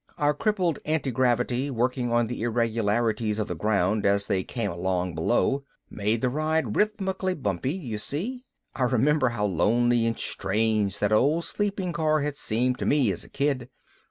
Our crippled antigravity, working on the irregularities of the ground as they came along below, made the ride rhythmically bumpy, you see. I remembered how lonely and strange that old sleeping car had seemed to me as a kid.